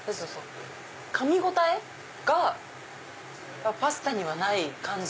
かみ応えがパスタにはない感じ。